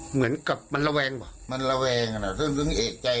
เหมือนกับมันระแวงว่ะมันระแวงซึ่งเอกใจ